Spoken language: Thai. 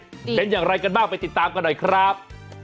จะรับสิทธิ์เป็นอย่างไรกันบ้างไปติดตามกันหน่อยครับ